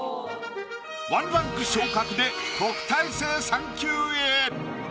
１ランク昇格で特待生３級へ。